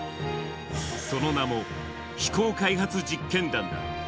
その名も、飛行開発実験団だ。